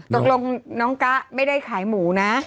ตกลงน้องกะไม่ได้ขายหมูนะ